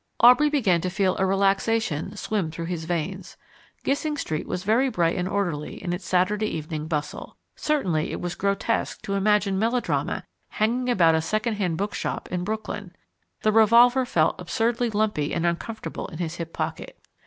Aubrey began to feel a relaxation swim through his veins. Gissing Street was very bright and orderly in its Saturday evening bustle. Certainly it was grotesque to imagine melodrama hanging about a second hand bookshop in Brooklyn. The revolver felt absurdly lumpy and uncomfortable in his hip pocket.